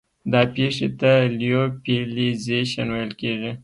دا پېښې ته لیوفیلیزیشن ویل کیږي.